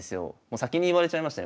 先に言われちゃいましたね。